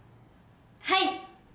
はい。